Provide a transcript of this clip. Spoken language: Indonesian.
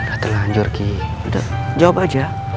udah telanjur kiki udah jawab aja